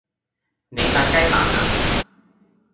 你發雞盲呀